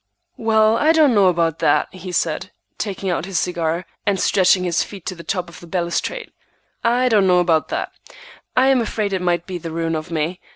"Well, I don't know about that," he said, taking out his cigar, and stretching his feet to the top of the balustrade; "I don't know about that. I am afraid it might be the ruin of me.